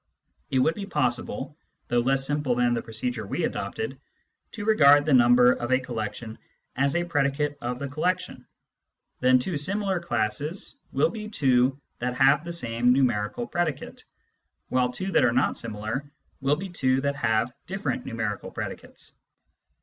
It would be possible, though less simple than the procedure we adopted, to regard the number of a collection as a predicate of the collec tion : then two similar classes will be two that have the same numerical predicate, while two that are not similar will be two that have different numerical predicates.